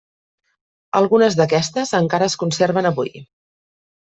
Algunes d'aquestes encara es conserven avui.